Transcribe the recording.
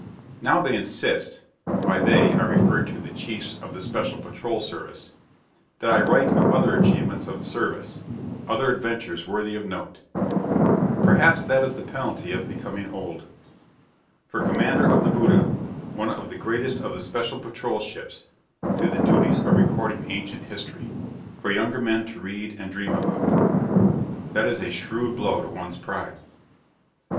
Now they insist by "they" I refer to the Chiefs of the Special Patrol Service that I write of other achievements of the Service, other adventures worthy of note. [Footnote 1: Editors Note: "The Forgotten Planet" July 1930 issue of Astounding Stories] Perhaps that is the penalty of becoming old. From commander of the Budi, one of the greatest of the Special Patrol ships, to the duties of recording ancient history, for younger men to read and dream about. That is a shrewd blow to one's pride.